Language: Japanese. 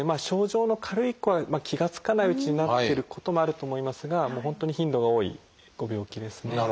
症状の軽い子は気が付かないうちになってることもあると思いますが本当に頻度が多いご病気ですね。